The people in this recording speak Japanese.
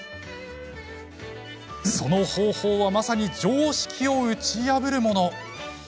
その方法はまさに常識を打ち破るもの。